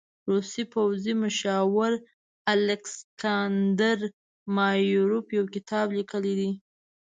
روسي پوځي مشاور الکساندر مایاروف يو کتاب لیکلی دی.